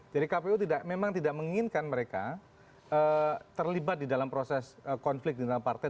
jadi kpu memang tidak menginginkan mereka terlibat di dalam proses konflik di internal partai